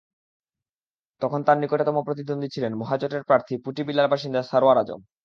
তখন তাঁর নিকটতম প্রতিদ্বন্দ্বী ছিলেন মহাজোটের প্রার্থী পুটিবিলার বাসিন্দা সরওয়ার আজম।